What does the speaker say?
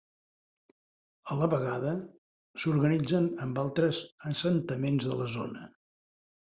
A la vegada s'organitzen amb altres assentaments de la zona.